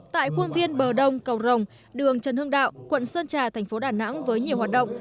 tại quân viên bờ đông cầu rồng đường trần hưng đạo quận sơn trà thành phố đà nẵng với nhiều hoạt động